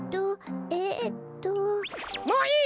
もういい！